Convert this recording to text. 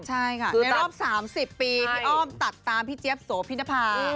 ใช่ค่ะในรอบ๓๐ปีพี่อ้อมตัดตามพี่เจี๊ยบโสพินภา